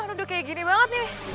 aduh kayak gini banget nih